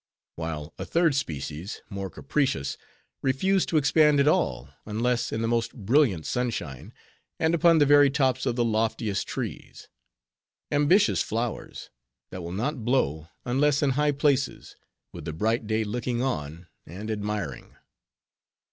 While a third species, more capricious, refuse to expand at all, unless in the most brilliant sunshine, and upon the very tops of the loftiest trees. Ambitious flowers! that will not blow, unless in high places, with the bright day looking on and admiring.